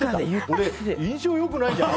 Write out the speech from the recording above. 俺、印象良くないじゃん。